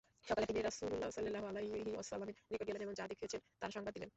সকালে তিনি রাসূলুল্লাহ সাল্লাল্লাহু আলাইহি ওয়াসাল্লামের নিকট গেলেন এবং যা দেখেছেন তার সংবাদ দিলেন।